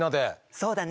そうだね。